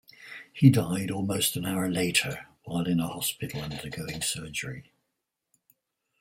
He died almost an hour later while in a hospital undergoing surgery.